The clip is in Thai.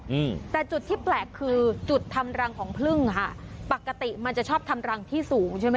อืมแต่จุดที่แปลกคือจุดทำรังของพึ่งค่ะปกติมันจะชอบทำรังที่สูงใช่ไหม